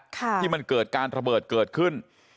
ที่มันเกิดการระเบิดเกิดขึ้น